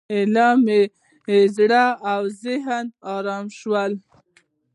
ایله مې زړه او ذهن ارامه شول.